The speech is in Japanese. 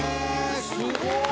すごーい！